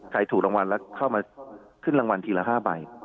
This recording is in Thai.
ถูกรางวัลแล้วเข้ามาขึ้นรางวัลทีละ๕ใบ